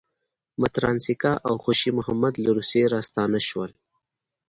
متراسینکه او خوشی محمد له روسیې راستانه شول.